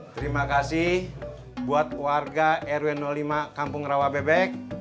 terima kasih buat warga rw lima kampung rawabebek